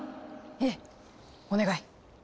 ええお願い。